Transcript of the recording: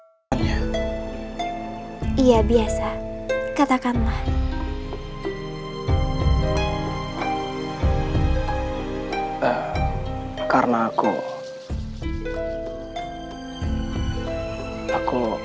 tidak usah banyak tanya lakukan saja